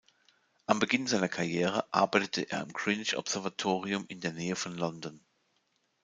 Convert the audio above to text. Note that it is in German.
Am Beginn seiner Karriere arbeitete er am Greenwich Observatorium in der Nähe von London.